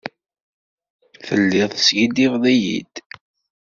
Telliḍ teskiddibeḍ-iyi-d?